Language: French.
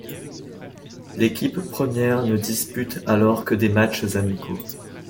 L'équipe première ne dispute alors que des matches amicaux.